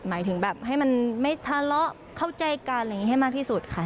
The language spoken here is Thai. หมายถึงแบบให้มันไม่ทะเลาะเข้าใจกันอะไรอย่างนี้ให้มากที่สุดค่ะ